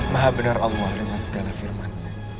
maha benar allah dengan segala firman